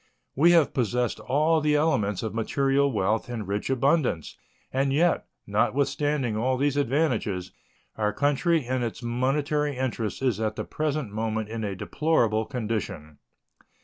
We have possessed all the elements of material wealth in rich abundance, and yet, notwithstanding all these advantages, our country in its monetary interests is at the present moment in a deplorable condition.